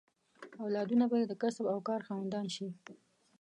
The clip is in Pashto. اولادونه به یې د کسب او کار خاوندان شي.